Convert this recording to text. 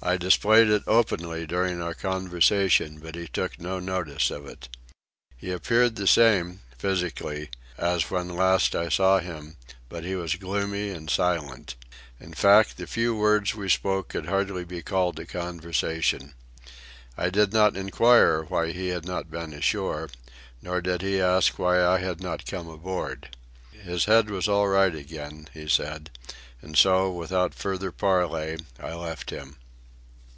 I displayed it openly during our conversation, but he took no notice of it. He appeared the same, physically, as when last I saw him, but he was gloomy and silent. In fact, the few words we spoke could hardly be called a conversation. I did not inquire why he had not been ashore, nor did he ask why I had not come aboard. His head was all right again, he said, and so, without further parley, I left him.